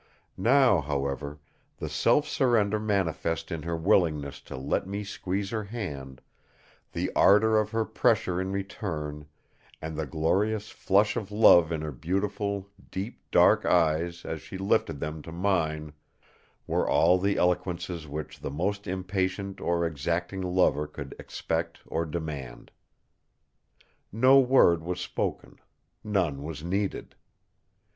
Now, however, the self surrender manifest in her willingness to let me squeeze her hand, the ardour of her pressure in return, and the glorious flush of love in her beautiful, deep, dark eyes as she lifted them to mine, were all the eloquences which the most impatient or exacting lover could expect or demand. No word was spoken; none was needed.